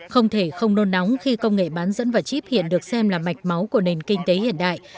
không thể không nôn nóng khi công nghệ bán dẫn và chip hiện được xem là mạch máu của nền kinh tế hiện đại